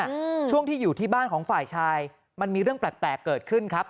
อืมช่วงที่อยู่ที่บ้านของฝ่ายชายมันมีเรื่องแปลกแปลกเกิดขึ้นครับ